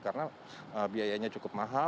karena biayanya cukup maju